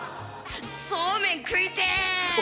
そうめん食いてえ！